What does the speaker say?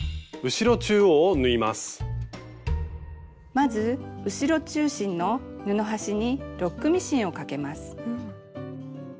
まず後ろ中心の布端にロックミシンをかけます。